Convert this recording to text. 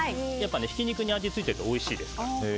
ひき肉に味がついているとおいしいですから。